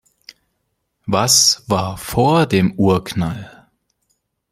Was war vor dem Urknall?